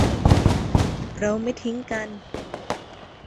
เราไม่ทิ้งกัน